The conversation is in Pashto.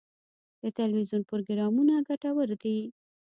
د تلویزیون پروګرامونه ګټور دي.